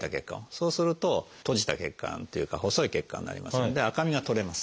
そうすると閉じた血管っていうか細い血管になりますので赤みが取れます。